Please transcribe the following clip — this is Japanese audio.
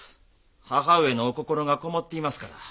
母上のお心がこもっていますから。